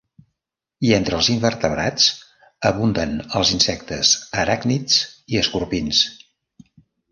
I entre els invertebrats abunden els insectes, aràcnids i escorpins.